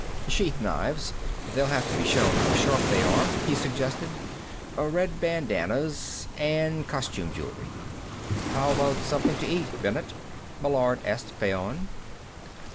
"Sheath knives; they'll have to be shown how sharp they are," he suggested. "Red bandannas. And costume jewelry." "How about something to eat, Bennet?" Meillard asked Fayon.